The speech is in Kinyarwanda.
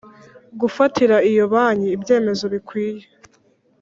Gufatira iyo banki ibyemezo bikwiye